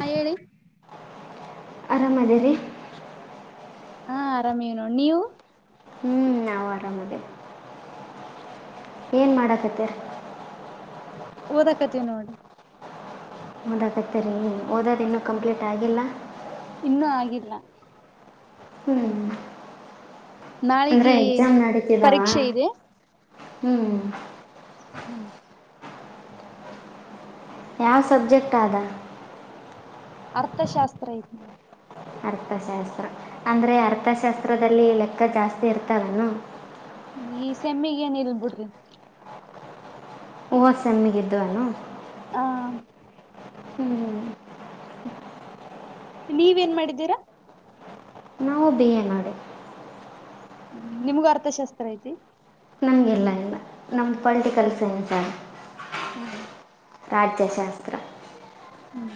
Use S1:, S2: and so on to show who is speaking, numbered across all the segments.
S1: ಹಾ ಹೇಳಿ
S2: ಆರಾಮ ಅದೇ ರೀ
S1: ಹಾ ಆರಾಮೇ ನೋಡ್ ನೀವು
S2: ಹ್ಮ್ ನಾವು ಆರಾಮದೇರಿ ಏನ್ ಮಾಡಕತ್ತರಿ
S1: ಓದಾಕತಿವ್ ನೋಡ್ರಿ
S2: ಓದಾಕತ್ತರಿ ಓದೋದ್ ಇನ್ನೂ ಕಂಪ್ಲೀಟ್ ಆಗಿಲ್ಲ
S1: ಇನ್ನೂ ಆಗಿಲ್ಲ
S2: ಹ್ಮ್ ಅಂದ್ರೆ
S1: ನಾಳಿಗಿ
S2: ಎಕ್ಸಾಮ್ ನಡೀತಿದಾವ
S1: ಪರೀಕ್ಷೆ ಇದೆ
S2: ಹ್ಮ್
S1: ಹ್ಮ್
S2: ಯಾವ್ ಸಬ್ಜೆಕ್ಟ್ ಆದ
S1: ಅರ್ಥಶಾಸ್ತ್ರ ಐತ್ ನೋಡಿ
S2: ಅರ್ಥಶಾಸ್ತ್ರ ಅಂದ್ರೆ
S1: ಹ
S2: ಅರ್ಥಶಾಸ್ತ್ರದಲ್ಲಿ ಲೆಕ್ ಸ ಜಾಸ್ತಿ ಇರ್ತಾವೇನು
S1: ಈ ಸೆಮ್ಮಿಗೇನ್ ಇಲ್ಬಿಡ್ರಿ
S2: ಹೋದ್ ಸೆಮ್ಮಿಗೆ ಇದ್ವೇನು
S1: ಹಾ
S2: ಹ್ಮ್ ಹ್ಮ್
S1: ನೀವೇನ್ ಮಾಡಿದ್ದೀರಾ
S2: ನಾವು ಬಿ ಎ ಮಾಡಿವಿ
S1: ಹ್ಮ ನಿಮ್ಗೂ ಅರ್ಥಶಾಸ್ತ್ರ ಐತಿ
S2: ಇಲ್ಲ ಇಲ್ಲ ನಮ್ದ್ ಪೊಲಿಟಿಕಲ್ ಸೈನ್ಸ್
S1: ಹ್ಮ್
S2: ರಾಜ್ಯಶಾಸ್ತ್ರ
S1: ಹ್ಮ್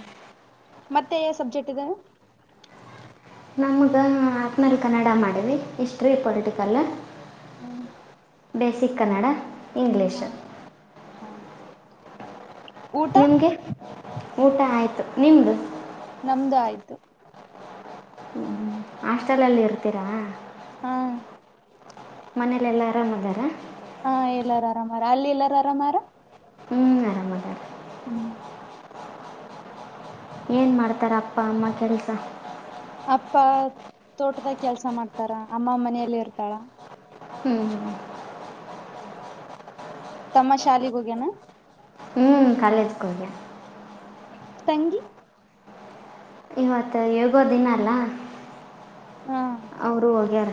S1: ಮತ್ತೆ ಏ ಸಬ್ಜೆಕ್ಟ್ ಇದಾವೆ
S2: ನಮಗ ಆಕ್ನೇಲೆ ಕನ್ನಡ ಮಾಡಿವಿ ಹಿಸ್ಟ್ರಿ ಪೊಲಿಟಿಕಲ್
S1: ಹ್ಮ್
S2: ಬೇಸಿಕ್ ಕನ್ನಡ ಇಂಗ್ಲಿಷ್
S1: ಹಾ
S2: ನಿಮಗೆ ಊಟ ಆಯ್ತು ನಿಮ್ದು
S1: ನಮ್ದು ಆಯ್ತು
S2: ಹಾಸ್ಟೆಲ್ ಅಲ್ಲಿ ಇರ್ತೀರಾ
S1: ಹಾ
S2: ಮನೇಲೆಲ್ಲಾ ಆರಾಮಾದರ
S1: ಹಾ ಎಲ್ಲಾರು ಆರಾಮಾರ ಅಲ್ಲಿ ಎಲ್ಲಾರು ಆರಾಮಾರ
S2: ಆರಾಮಾದರ
S1: ಹ್ಮ್
S2: ಏನ್ ಮಾಡ್ತಾರೆ ಅಪ್ಪ ಅಮ್ಮ ಕೆಲಸ.
S1: ಅಪ್ಪ ತೋಟದಾಗ ಕೆಲ್ಸ ಮಾಡ್ತಾರ ಅಮ್ಮ ಮನೆಯಲ್ಲಿ ಇರ್ತಾಳ
S2: ಹ್ಮ್
S1: ತಮ್ಮ ಶಾಲೆಗ್ ಹೋಗ್ಯನಾ.
S2: ಹ್ಮ್ ಕಾಲೇಜ್ ಗೊಗ್ಯಾನ.
S1: ತಂಗಿ
S2: ಇವತ್ತ ಹೇಗೋ ದಿನಲ್ಲ.
S1: ಹು
S2: ಅವ್ರು ಹೊಗ್ಯಾರ.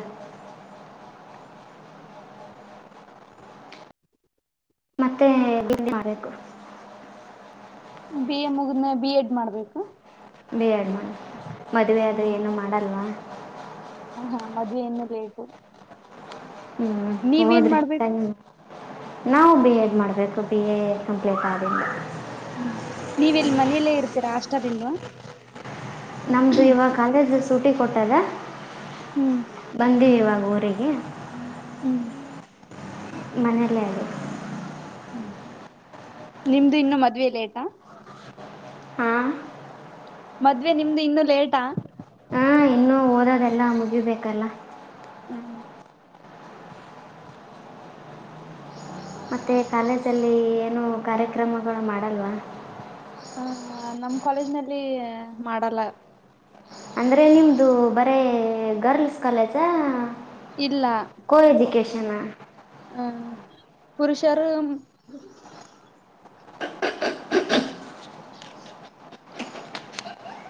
S2: ತಿಂಡಿ ಮಾಡ್ಬೇಕು ಇ
S1: ಬಿ ಎ ಮುಗಿದ್ಮೇ ಬಿ ಎಡ್ ಮಾಡ್ಬೇಕು.
S2: ಬಿ ಎಡ್ ಮಾಡ್ ಮದ್ವೆ ಅದು ಏನು ಮಾಡಲ್ವ.
S1: ಹಾ ಹಾ ಮದ್ವೆ ಇನ್ನು ಲೇಟು.
S2: ಹ್ಮ್
S1: ನೀವೇನ್
S2: ಹೋದ್ರಿ
S1: ಮಾಡ್ಬೇಕು
S2: ತನ್ನ. ನಾವು ಬಿ ಎಡ್ ಮಾಡಬೇಕು ಬಿ ಎ ಕಂಪ್ಲೀಟ್ ಆಗ್ಯತೆ.
S1: ಹ್ಮ್ ನೀವೆಲ್ ಮನೆಲ್ಲೇ ಇರ್ತೀರಾ ಹಾಸ್ಟೆಲ್ ಇಲ್ವಾ.
S2: ನಮ್ದು ಇವಾಗ ಕಾಲೇಜ್ ಶೂಟಿಗ್ ಕೊಟ್ಟದ.
S1: ಹ್ಮ್
S2: ಬಂದಿ ಇವಾಗ್ ಊರಿಗೆ
S1: ಹ್ಮ್
S2: ಮನೇಲೆ ಅದು
S1: ಹ್ಮ್ ನಿಮ್ದು ಇನ್ನೂ ಮದ್ವೆ ಲೇಟ್ ಹ.
S2: ಹಾಂ
S1: ಮದ್ವೆ ನಿಮ್ದು ಇನ್ನು ಲೇಟಾ.
S2: ಓದೋದೆಲ್ಲಾ ಮುಗಿಬೇಕಲ್ಲ.
S1: ಹ್ಮ್
S2: ಮತ್ತೆ ಕಾಲೇಜಯಲ್ಲಿ ಏನು ಕಾರ್ಯಕ್ರಮಗಳು ಮಾಡಲ್ವಾ.
S1: ಹ ನಮ್ ಕಾಲೇಜ್ನಲ್ಲಿ ಮಾಡಲ್ಲ.
S2: ಅಂದ್ರೆ ನಿಮ್ದು ಬರೇ ಗರ್ಲ್ಸ್ ಕಾಲೇಜಾ ಹ.
S1: ಇಲ್ಲ ವ. ಹ್ಮ ಪುರುಷರು. [inaudible]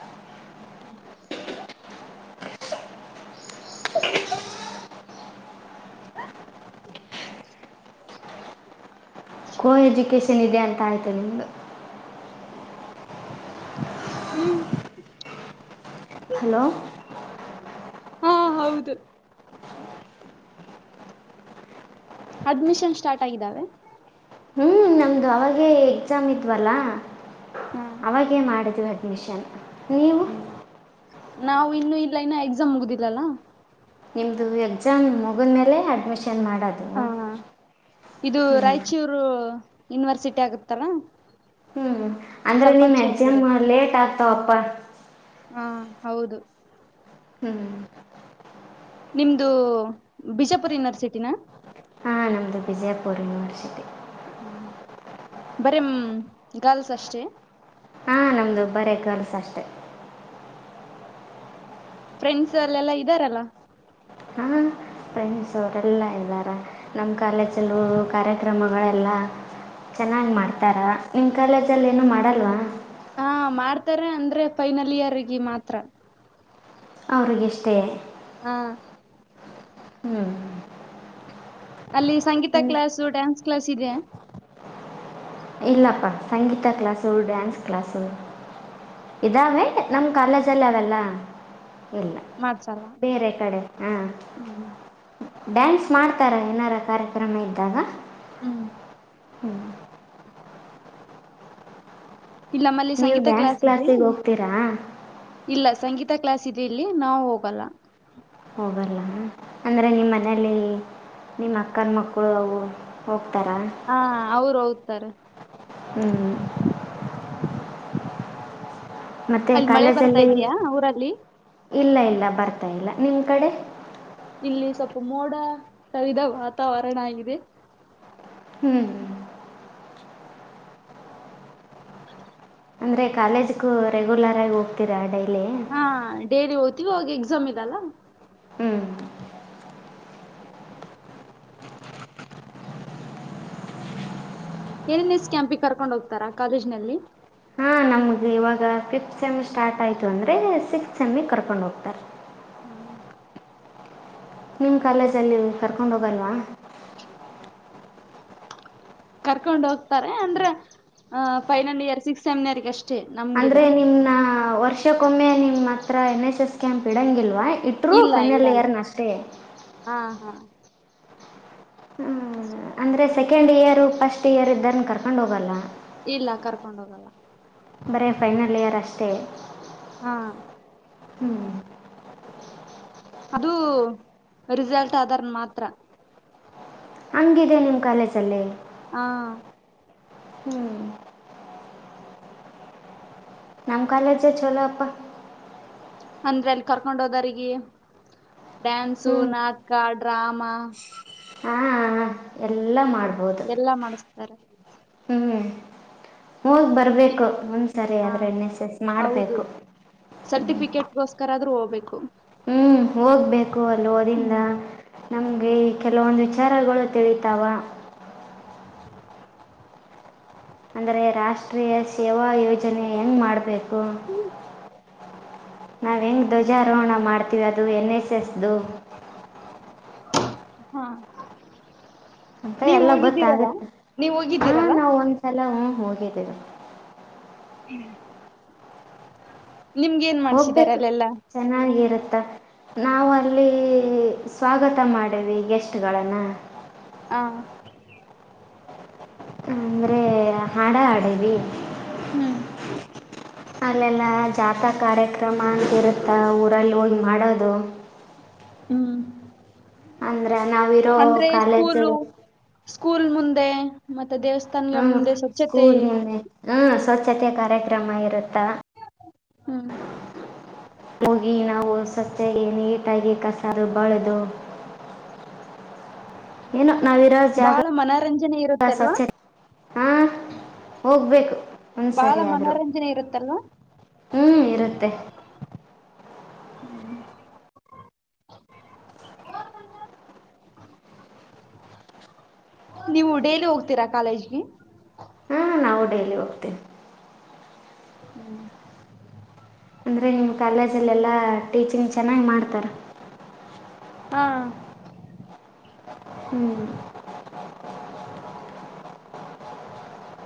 S1: [unintelligible]
S2: ಆಯ್ತು, ನಿಮ್ದು.
S1: ಹ್ಮ್
S2: ಹಲೋ
S1: ಹಾ ಹೌದು, ಅಡ್ಮಿಷನ್ ಸ್ಟಾರ್ಟ್ ಆಗಿದ್ದಾವೆ.
S2: ನಮ್ದು ಅವಾಗೆ ಎಕ್ಸಾಮ್ ಇದ್ವಲ್ಲಾ.
S1: ಹಾ
S2: ಅವಾಗೇ ಮಾಡಿದ್ವಿ. ಮಿಷನ್. ನೀವು
S1: ಹ್ಮ್ ನಾವು ಇನ್ನು ಇಲ್ಲ ಇನ್ನು ಎಕ್ಸಾಮ್ ಮುಗ್ದಿಲ್ಲಲ್ಲ.
S2: ನಿಮ್ದು ಎಕ್ಸಾಮ್ ಮುಗಿದ ಮೇಲೆ ಅಡ್ಮಿಷನ್ ಮಾಡೋದು
S1: ಹಾ ಇದು
S2: ಹ್ಞೂ
S1: ರಾಯ್ಚೂರು. ಯೂನ್ವರ್ಸಿಟಿ ಆಗುತ್ತಲ.
S2: ಹ್ಮ್ ಅಂದ್ರೆ ನಿಮ್ ಎಕ್ಸಿಮ ಲೇಟ್ ಆಗ್ತ ತೋಪ್ಪ
S1: ಹಾ ಹೌದು
S2: ಹ್ಮ್
S1: ನಿಮ್ದು ಬಿಜಾಪುರ್ ಯುನಿವರ್ಸಿಟಿನ.
S2: ನಂದು ಬಿಜಾಪುರ್ ಯೂನಿವರ್ಸಿಟಿ
S1: ಹ್ಮ ಬರೀ ಗರ್ಲ್ಸ್ ಅಷ್ಟೇ.
S2: ಹಾಂ ನಮ್ಮದು ಬರೇ ಗರ್ಲ್ಸ್ ಅಷ್ಟೆ
S1: ಫ್ರೆಂಡ್ಸ್ ಅಲ್ಲೆಲ್ಲಾ ಇದ್ದಾರಲ್ಲ.
S2: ಹಾ ಫ್ರೆಂಡ್ಸ್ ಅವರೆಲ್ಲ ಇದ್ದಾರೆ ನಮ್ಮ ಕಾಲೇಜಲ್ಲೂ ಕಾರ್ಯಕ್ರಮಗಳೆಲ್ಲ ಚೆನ್ನಾಗಿ ಮಾಡ್ತಾರ. ನಿಮ್ಮ ಕಾಲೇಜಲ್ಲಿ ಏನು ಮಾಡಲ್ವಾ.
S1: ಹಾ ಮಾಡ್ತಾರೆ ಅಂದ್ರೆ ಫೈನಲ್ ಇಯರ್ಗೆ ಮಾತ್ರ.
S2: ಅವ್ರಗಿಷ್ಟೇ
S1: ಹ್ಮ
S2: ಹ್ಞೂ
S1: ಅಲ್ಲಿ ಸಂಗೀತ ಕ್ಲಾಸು ಡ್ಯಾನ್ಸ್ ಕ್ಲಾಸ್ ಇದೆ.
S2: ಇಲ್ಲಪ್ಪ ಸಂಗೀತ ಕ್ಲಾಸು ಡ್ಯಾನ್ಸ್ ಕ್ಲಾಸು ಇದಾವೆ ನಮ್ಮ ಕಾಲೇಜಲ್ಲಿ ಅವೆಲ್ಲ. ಇಲ್ಲ
S1: ಮಾಡ್ಸಲ್ವಾ
S2: ಬೇರೆ ಕಡೆ ಹಾ
S1: ಹ್ಮ್
S2: ಡ್ಯಾನ್ಸ್ ಮಾಡ್ತಾರ ಏನಾರ ಕಾರ್ಯಕ್ರಮ ಇದ್ದಾಗ
S1: ಹ್ಮ್
S2: ಹ್ಞೂ.
S1: ಇಲ್ಲ ನಮ್ಮಲ್ಲಿ
S2: ನೀವು್
S1: ಸಂಗೀತ
S2: ಡ್ಯಾನ್ಸ್
S1: ಕ್ಲಾಸ್ ಇದೆ
S2: ಕ್ಲಾಾಸಿಗೆ ಹೋಗ್ತೀರಾ.
S1: ಇಲ್ಲ ಸಂಗೀತ ಕ್ಲಾಸ್ ಇದೆ ಇಲ್ಲಿ ನಾವು ಹೋಗಲ್ಲ.
S2: ಹೋಗಲ್ಲ ಅಂದರೆ ನಿಮ್ಮ ಮನೇಲಿ ನಿಮ್ಮ ಅಕ್ಕನ ಮಕ್ಕಳು ಅವು ಹೋಗ್
S1: ಹಾ ಅವರು ಹೌದು ಸರ
S2: ಹ್ಮ್ ಮತ್ತೆ
S1: ಅಲ್ಲಿ ಮಳೆ ಬರ್ತಾ
S2: ಕಾಲೇಜಲ್ಲಿ
S1: ಇದಯಾ ಊರಲ್ಲಿ
S2: ಇಲ್ಲ ಇಲ್ಲ ಬರ್ತ ಬರ್ತಾ ಇಲ್ಲ ನಿಮ್ಮ ಕಡೆ
S1: ಇಲ್ಲಿ ಸ್ವಲ್ಪ ಮೋಡ ಕವಿದ ವಾತಾವರಣ ಆಗಿದೆ.
S2: ಹ್ಮ್್ಮ
S1: ಹ
S2: ಅಂದ್ರೆ ಕಾಲೇಜ್ಗೂ ರೆಗ್ಯುಲರ್ ಆಗಿ ಹೋಗ್ತೀರಾ ಡೈಲಿ
S1: ಹಾ ಡೇರಿ ಓದತಿನಿ ಇವಾಗ ಎಕ್ಸಾಮ್ ಇದಲ್ಲ
S2: ಹ್ಞೂ
S1: ಏನ್ ಏನ್ ಎಸ್ ಕ್ಯಾಂಪಿಗೆ ಕರ್ಕೊಂಡು ಹೋಗ್ತಾರಾ ಕಾಲೇಜಿನಲ್ಲಿ.
S2: ಹಾಂ ನಮಗೆ ಇವಾಗ ಫಿಫ್ತ್ ಸೆಮ್ ಸ್ಟಾರ್ ಆಯ್ತು ಅಂದ್ರೆ ಸಿಕ್ಸ್ ಸೆಮ್ ಕರ್ಕೊಂಡು ಹೋಗ್ತಾರೆ.
S1: ಹ್ಮ
S2: ನಿಮ್ ಕಾಲೇಜ ನಿವು ಕರ್ಕೊಂಡು ಹೋಗಲ್ವಾ.
S1: ಕರ್ಕೊಂಡ ಹೋಗ್ತಾರೆ ಅಂದ್ರೆ ಆ ಪೈಲಂಡ ಇಯರ್ ಸಿಕ್ಸ್ ಸೆಮಿನರ್ಗೆ ಅಷ್ಟೆ.
S2: ಅಂದ್ರೆ ನಿಮನಾ ವರ್ಷ. ಇಷ್ಟಕ್ಕೊಮ್ಮೆ ನಿಮ್ಮ ಹತ್ರ ಎನ್ ಎಸ್ ಎಸ್ ಕ್ಯಾಂಪ್ ಇಡೋಂಗಿಲ್ವಾ ಇಟ್ಟರೂ
S1: ಇಲ್ಲ
S2: ಫೈನಲ್
S1: ಇಡಲ್ಲ
S2: ಇಯರ್ನ ಅಷ್ಟೇ
S1: ಹಾ ಹಾ
S2: ಅಂದ್ರೆ ಸೆಕೆಂಡ್ ಇಯರ್ ಫಸ್ಟ್ ಇಯರ್ ಇದ್ದಾರ ಕರ್ಕೊಂಡ್ ಹೋಗಲ್ಲ
S1: ಇಲ್ಲ ಕರ್ಕೊಂಡ ಹೋಗಲ್ಲ
S2: ಬರೇ ಫೈನಲ್ ಇಯರ್ ಅಷ್ಟೇ
S1: ಹಾ
S2: ಹ್ಞೂ
S1: ಅದುೂ ರಿಸಲ್ಟ್ ಆದಾರ್ ಮಾತ್ರ
S2: ಹಂಗಿದೆ ನಿಮ್ಮ ಕಾಲೇಜಲ್ಲಿ
S1: ಹಾ
S2: ಹ್ಞೂ ನಮ್ಮ ಕಾಲೇಜೇ ಚಲೋ ಅಪ್ಪ
S1: ಅಂದ್ರೆ ಅಲ್ಲಿ ಕರ್ಕೊಂಡ ಹೋದರಿಗೆ ಡ್ಯಾನ್ಸು
S2: ಹ್ಞೂ
S1: ನಾಟಕ ಡ್ರಾಮಾ
S2: ಹಾಂ ಎಲ್ಲ ಮಾಡ್ಬೋದು
S1: ಸರೀ
S2: ಹೋಗ್ ಬರ್ಬೇಕು ಒಂದ್ಸರಿ
S1: ಹ
S2: ಆದ್ರೆ ಎನ್ ಎಸ್ ಎಸ್ ಮಾಡ್ಬೇಕು ಹ್ಮ್
S1: ಕ್ಕರಾದ್ರೂ ಹೋಗ್ಬೇಕು
S2: ಹ್ಮ್ ಹೋಗ್ಬೇಕು ಅಲ್ಲಿ ನೋಡಿಲ್ಲ
S1: ಹ್ಮ್
S2: ನಮ್ಗೆ ಕೆಲವೊಂದು ವಿಚಾರಗಳು ತಿಳಿತಾವ ಅಂದ್ರೆ ರಾಷ್ಟ್ರೀಯ ಸೇವಾ ಯೋಜನೆ ಹೆಂಗ್ ಮಾಡ್ಬೇಕು ನಾವ ಹೆಂಗೆ ಧ್ವಜಾರೋಹಣ ಮಾಡ್ತೀವಿ ಅದು ಎನ್ ಎಸ್ ಎಸ್ ದು
S1: ಹಾ
S2: ಅಂತ
S1: ನೀವ್
S2: ಎಲ್ಲ
S1: ಹೋಗಿದ್ದೀರಲ್ಲ
S2: ಗೊತ್ತಾಗುತ್ತೆ
S1: ನೀವ್
S2: ಹಾ
S1: ಹೋಗಿದ್ದೀರಲ್ಲ
S2: ನಾವವು ಒಂದ್ಸಲ ಹೋಗಿದಿವಿ
S1: ಹ್ಮ್
S2: ಹೋಗ್ಬೇಕು ಚೆನ್ನಾಗಿರುತ್ತೆ ನಾವಲ್ಲಿ ಸ್ವಾಗತ ಮಾಡೇವಿ ಗೆಸ್ಟ್ಗಳನ್ನು
S1: ಹಾ
S2: ಅಂದ್ರೆ ಹಾಡ ಆಡವಿ
S1: ಹ್ಮ್
S2: ಅಲ್ಲೆಲ್ಲ ಜಾತ ಕಾರ್ಯಕ್ರಮ ಅಂತಿರುತ್ತೆ ಊರಲ್ಲಿ ಹೋಗಿ ಮಾಡೋದು
S1: ಹ್ಮ್
S2: ಅಂದ್ರ ನಾವಿರೋ
S1: ಅಂದ್ರೆ
S2: ಕಾಲೇಜು
S1: ಸ್ಕೂಲು ಸ್ಕೂಲ್ ಮುಂದೆ ಮತ್ತೆ ದೇವಸ್ಥಾನಗೆ
S2: ಹ್ಮ್
S1: ಮುಂದೆ ಸ್ವಚ್ಛತೆ
S2: ಸ್ಕೂಲ್ ಮುಂದೆ ಹ್ಮ್ ಸ್ವಚ್ಛತೆ ಕಾರ್ಯಕ್ರಮ ಇರುತ್ತಾ
S1: ಹ್ಮ್
S2: ಹೋಗಿ ನಾವು ಸ್ವಚ್ಛವಾಗಿ ನೀಟಾಗಿ ಕಸಲು ಬಳೆದು ಏನೋ ಜಾಗ
S1: ಬಾಳ ಮನೋರಂಜನೆ ಇರುತ್ತಲ್ವಾ
S2: ಸ್ವಚ್ಛ ಹಾ ಹೋಗ್ಬೇಕು ಒಂದ್
S1: ಬಾಳ
S2: ಸರಿ ಆದ್ರು
S1: ಮನರಂಜನೆ ಇರುತ್ತಲ್ವಾ
S2: ಹ್ಮ್ ಇರುತ್ತೆ
S1: ಹ್ಮ್ [inaudible] ನೀವು ಡೇಲಿ ಹೋಗ್ತೀರಾ ಕಾಲೇಜ್ಗೆ.
S2: ಹಾ ನಾವು ಡೈಲಿ ಹೋಗ್ತೀವಿ.
S1: ಹ್ಮ್
S2: ಅಂದ್ರೆ ನೀವ್ ಕಾಲೇಜ್ಲೆಲ್ಲಾ ಟೀಚಿಂಗ್ ಚೆನ್ನಾಗ ಮಾಡ್ತಾರ.
S1: ಹಾ
S2: ಹ್ಮ್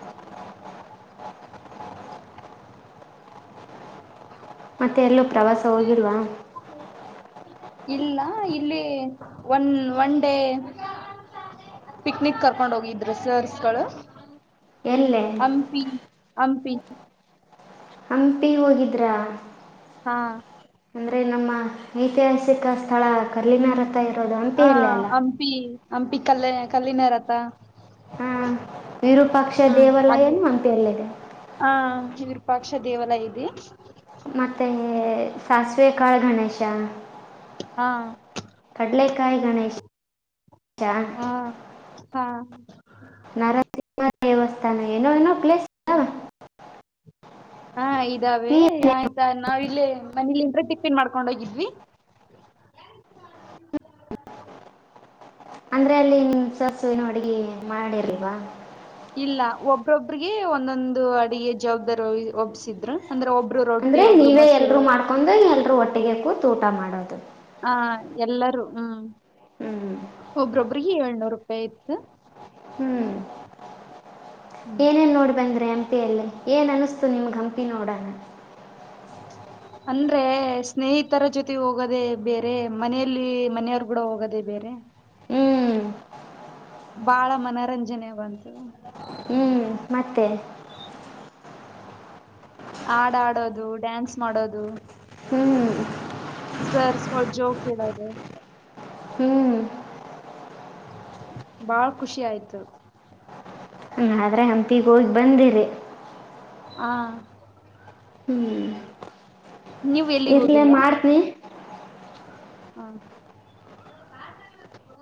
S1: [unintelligible]
S2: ಮತ್ತೆ ಎಲ್ಲೂ ಪ್ರವಾಸ ಹೋಗಿಲ್ವಾ.
S1: ಇಲ್ಲ ಇಲ್ಲಿ ಒನ್ ಒನ್ ಡೇ ಪಿಕ್ನಿಕ್ ಕರ್ಕೊಂಡ ಹೋಗಿದ್ರು ಸರ್ಸ್ಗಳ.
S2: ಎಲ್ಲೆ.
S1: ಹಂಪಿ.
S2: ಹಂಪಿ ಹೋಗಿದ್ರಾ.
S1: ಹಾ
S2: ಅಂದ್ರೆ ನಮ್ಮ ಐತಿಹಾಸಿಕ ಸ್ಥಳ ಕಲ್ಲಿನ ರತ್ ತಾ ಇರೋದು
S1: ಹ
S2: ಹಂಪಿ ಅಲ್ಲೆ ಅಲಾ.
S1: ಹಂಪಿ ಹಂಪಿ ಕಲ್ಲ ಕಲ್ಲಿನರಥಾ.
S2: ವಿರೂಪಾಕ್ಷ ದೇವಾಲಯನು ಹಂಪಿಯಲ್ಲಿದೆ.
S1: ವಿರುಪಾಕ್ಷ ದೇವಾಲಯ ಇದಿ.
S2: ಮತ್ತೆ ಸಾಸಿವೆ ಕಾಳ ಗಣೇಶ.
S1: ಹಾ
S2: ಕಡ್ಲೆಕಾಯ್ ಗಣೇಶ್
S1: ಹಾ ಹಾ
S2: ನರಸಿಂಹ ದೇವಸ್ಥಾನ ಏನೋ ಏನೋ ಪ್ಲೇಸ್ ಇದಾವ.
S1: ಹಾ ಇದಾವೆ
S2: ನೀವೇ
S1: ಆಯ್ತಾ ನಾವ ಇಲ್ಲೇ ಮನಿಲಿಂತ್ರೆ ಟಿಪ್ಪಿನ್ ಮಾಡ್ಕೊಂಡ ಹೋಗಿದ್ವಿ.
S2: ಅಂದ್ರೆ ಅಲ್ಲಿನ್ ಸಸುವಿನ ಅಡುಗಿ ಮಾಡಿರ್ಲ್ವಾ
S1: ಇಲ್ಲ ಒಬ್ರೊಬ್ರಿಗೆ ಒಂದೊಂದು ಅಡಿಗೆ ಜವಾಬ್ದಾರಿ ಓ ಒಬ್ಸಿದ್ರ.
S2: ಅಂದ್ರೆ ನೀವೇ ಎಲ್ರುೂ ಮಾಡ್ಕೊಂಡ ಹೋಗಿ ಎಲ್ರುೂ ಒಟ್ಟಿಗೆ ಕೂತ್ ಊಟ ಮಾಡೋದ. ದ
S1: ಹಾ ಎಲ್ಲರೂ ಹ್ಮ್.
S2: ಹ್ಞೂ
S1: ಒಬ್ರ ಒಬ್ಬ್ರು. ಪ್ರೀ ಏಳ್ನೂರು ರೂಪಾಯಿ ಇತ್ತ.
S2: ಹ್ಮ್
S1: ಹ್ಮ್
S2: ಏನೇನ್ ನೋಡ್ ಬಂದ್ರಿ ಹಂಪಿ ಅಲ್ಲೆ ಏನ್ ಅನಸ್ತು ನಿಮಗ ಹಂಪಿ ನೋಡಣ.
S1: ಅಂದ್ರೆ ಸ್ನೇಹಿತರ ಜೊತೆ ಹೋಗೋದೆ ಬೇರೆ ಮನೆಯಲ್ಲಿ ಮನೆಯವರ್ ಕೂಡ ಹೋಗೋದೆ ಬೆರೆ
S2: ಹ್ಮ್
S1: ಭಾಳ ಮನರಂಜನೆ ಬಂತ.
S2: ಹ್ಮ್ ಮತ್ತೆ
S1: ಆಡಡೋದು, ಡ್ಯಾನ್ಸ್ ಮಾಡೋದು,
S2: ಹ್ಮ್
S1: ಸರ್ ಜೋಕ್ ಇದು
S2: ಹ್ಮ್
S1: ಬಾಳ್ ಖುಷಿ ಆಯ್ತು.
S2: ಆದರೆ ಹಂಪಿಗೆ ಹೋಗಿ ಬಂದಿರಿ
S1: ಹಾ ಎಲ್ಲಿಗ್
S2: ಇರ್ಲಿ
S1: ಹೋಗಿಲ್ವಾ
S2: ಮಾಡ್ತನಿ
S1: [unintelligible]